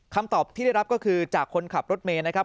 คำตอบที่ได้รับก็คือจากคนขับรถเมย์นะครับ